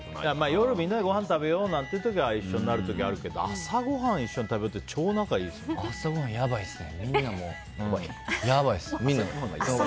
夜みんなでごはん食べようってなる時は一緒になることあるけど朝ごはんを一緒に食べるって朝ごはん、やばいですね。